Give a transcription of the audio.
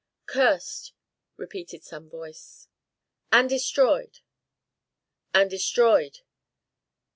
"Cursed!" repeated some voice. "And destroyed!" "And destroyed."